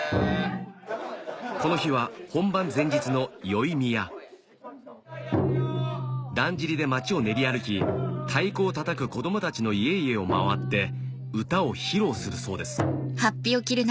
この日は本番前日の宵宮だんじりで町を練り歩き太鼓をたたく子どもたちの家々を回って唄を披露するそうです